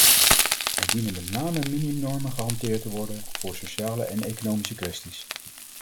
Er dienen met name minimumnormen gehanteerd te worden voor sociale en economische kwesties.